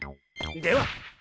では！